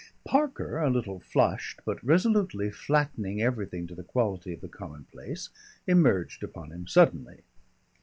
Parker, a little flushed, but resolutely flattening everything to the quality of the commonplace, emerged upon him suddenly.